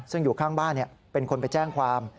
ซึ่งอยู่ข้างบ้านเป็นคนไปแจ้งความ